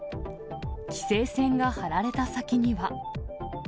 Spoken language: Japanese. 規制線が張られた先には。